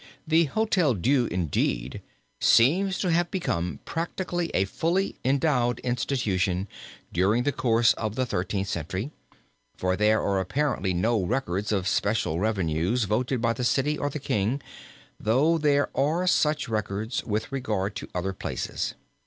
The Hotel Dieu, indeed, seems to have become practically a fully endowed institution during the course of the Thirteenth Century, for there are apparently no records of special revenues voted by the city or the king, though there are such records with regard to other places.